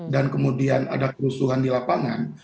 dan kemudian ada kerusuhan di lapangan